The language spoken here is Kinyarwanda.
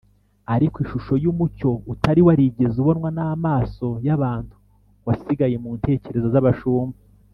. Ariko ishusho y’umucyo utari warigeze ubonwa n’amaso y’abantu wasigaye mu ntekerezo z’abashumba